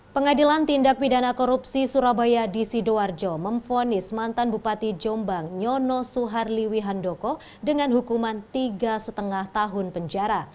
pengadilan tindak pidana korupsi surabaya di sidoarjo memfonis mantan bupati jombang nyono suharli wihandoko dengan hukuman tiga lima tahun penjara